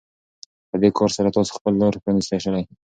په دې کار سره تاسو خپلې لارې پرانيستلی شئ.